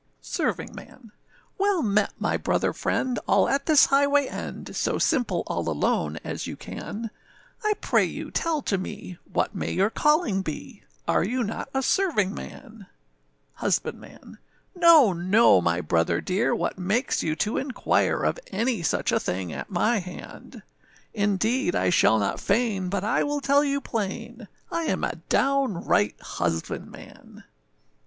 ] SERVINGMAN. WELL met, my brother friend, all at this highway end, So simple all alone, as you can, I pray you tell to me, what may your calling be, Are you not a servingman? HUSBANDMAN. No, no, my brother dear, what makes you to inquire Of any such a thing at my hand? Indeed I shall not feign, but I will tell you plain, I am a downright husbandman.